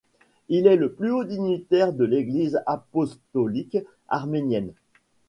Il est le plus haut dignitaire de l'Église apostolique arménienne.